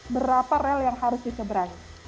berapa rel yang harus diseberangi